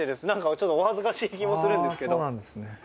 なんかちょっとお恥ずかしい気もするんですけど。